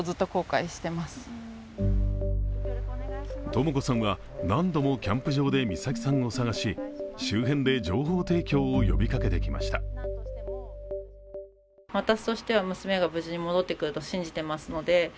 とも子さんは何度もキャンプ場で美咲さんを捜し周辺で情報提供を呼びかけてきました。